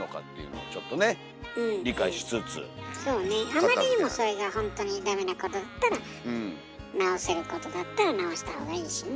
あまりにもそれがほんとにダメなことだったら直せることだったら直した方がいいしね。